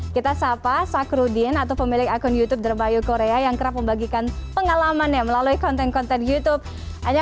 kita sapa sakrudin atau pemilik akun youtube dermayu korea yang kerap membagikan pengalamannya melalui konten konten youtube